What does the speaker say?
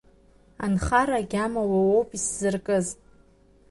Анхара агьама уа уоуп исзыркыз.